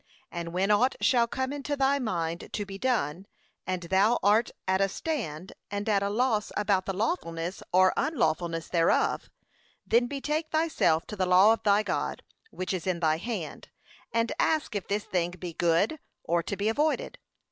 And when ought shall come into thy mind to be done, and thou art at a stand, and at a loss about the lawfulness or unlawfulness thereof, then betake thyself to the law of thy God, which is in thy hand, and ask if this thing be good or to be avoided.